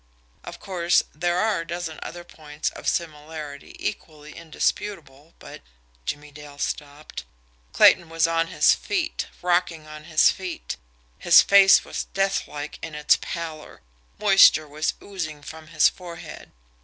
Of course, there are a dozen other points of similarity equally indisputable, but " Jimmie Dale stopped. Clayton was on his feet rocking on his feet. His face was deathlike in its pallor. Moisture was oozing from his forehead.